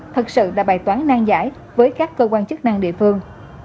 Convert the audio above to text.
thật sự là bài toán nang giải với các cơ quan chức năng địa phương